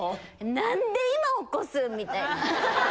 なんで今起こす？みたいな。